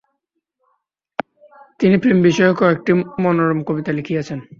তিনি প্রেমবিষয়ক কয়েকটি মনোরম কবিতা লিখিয়াছেন।